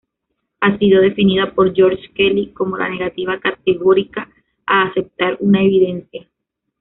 Ha sido definida por George Kelly como la negativa categórica a aceptar una evidencia.